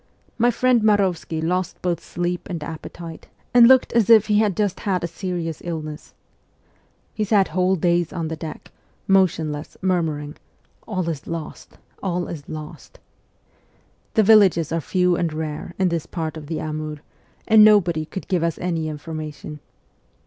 My friend Marovsky lost both sleep and appetite, and looked as if he had just had a serious illness. He sat whole days on the deck, motionless, murmuring :' All is lost, all is lost !' The villages are few and rare in this part of the Amur, and nobody could give us any information.